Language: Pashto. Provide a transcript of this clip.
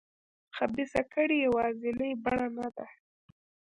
خبیثه کړۍ یوازینۍ بڼه نه ده.